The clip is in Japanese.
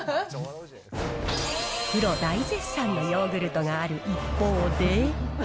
プロ大絶賛のヨーグルトがある一方で。